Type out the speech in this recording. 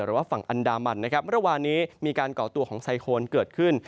หรือว่าฝั่งอันดามันนะครับเมื่อวานนี้มีการก่อตัวของไซโคนเกิดขึ้น